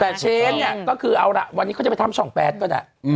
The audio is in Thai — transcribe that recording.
แต่เชนเนี่ยก็คือเอาล่ะวันนี้เขาจะไปทำช่อง๘ก็ได้